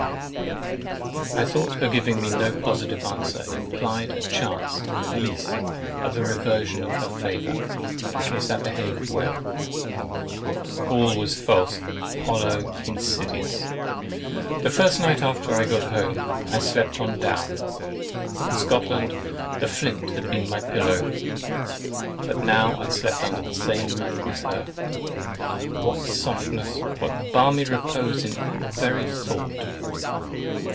I thought her giving no positive answer implied a chance, at least, of the reversion of her favour, in case I behaved well. All was false, hollow, insidious. The first night after I got home, I slept on down. In Scotland, the flint had been my pillow. But now I slept under the same roof with her. What softness, what balmy repose in the very thought!